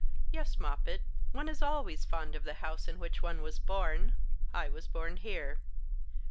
"Yes, Moppet: one is always fond of the house in which one was born. I was born here."